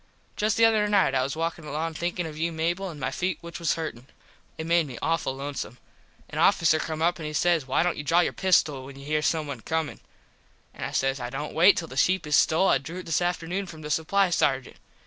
Just the other night I was walkin along thinkin of you Mable an my feet which was hurtin. It made me awful lonesome. An officer come up and he says why dont you draw your pistol when you here someone comin. An I says I dont wait till the sheep is stole I drew it this afternoon from the Supply sargent.